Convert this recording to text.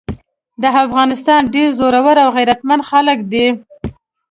د افغانستان ډير زړور او غيرتمن خلګ دي۔